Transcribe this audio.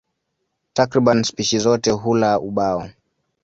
Takriban spishi zote hula ubao.